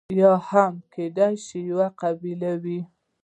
یا هم کېدای شي یوه قبیله وي.